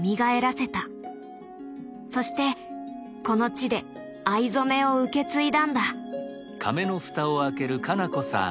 そしてこの地で藍染めを受け継いだんだ。